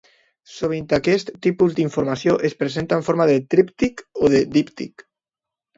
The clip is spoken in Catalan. Sovint aquest tipus d'informació es presenta en forma de tríptic o de díptic.